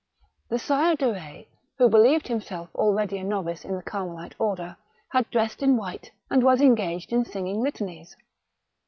The Sire de Retz, who believed himself already a novice in the Carmelite order, had dressed in white, and was engaged in singing litanies.